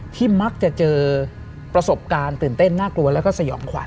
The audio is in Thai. มักจะเจอประสบการณ์ตื่นเต้นน่ากลัวแล้วก็สยองขวั